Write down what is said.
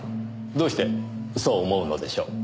どうしてそう思うのでしょう。